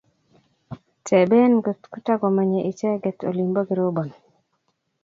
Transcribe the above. Teben ngotko takomennye icheget olin po Kirobon.